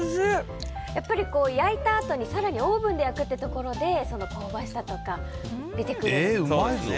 やっぱり焼いたあとに更にオーブンで焼くというところで香ばしさとか出てくると思います。